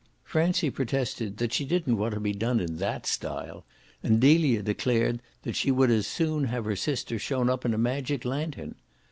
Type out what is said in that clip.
Francie protested that she didn't want to be done in THAT style, and Delia declared that she would as soon have her sister shown up in a magic lantern.